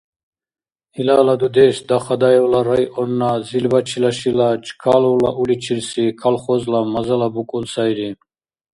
Илала дудеш Дахадаевла районна Зилбачила шила Чкаловла уличилси колхозла мазала букӀун сайри.